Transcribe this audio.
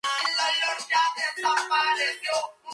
Fue la primera canción que le dio buena reputación a Tool.